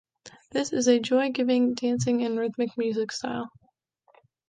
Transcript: This is a joy-giving, dancing and rhythmic music style.